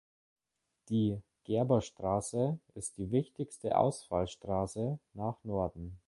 Die Gerberstraße ist die wichtigste Ausfallstraße nach Norden.